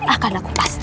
akan aku pastikan